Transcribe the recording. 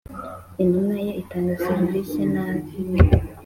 intumwa ye itanga serivisi nabi.